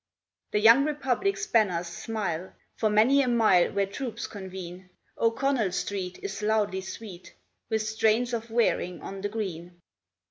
The young Republic's banners smile For many a mile where troops convene. O'Connell Street is loudly sweet With strains of Wearing of the Green.